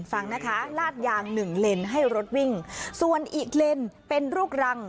ฟังนะคะลาดยางหนึ่งเลนให้รถวิ่งส่วนอีกเลนเป็นลูกรัง